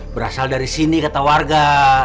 berasal dari sini kata warga